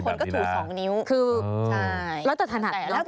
บางคนก็ถูสองนิ้ว